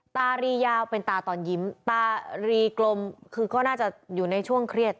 ตารียาวเป็นตาตอนยิ้มตารีกลมคือก็น่าจะอยู่ในช่วงเครียด